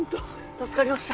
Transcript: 助かりました。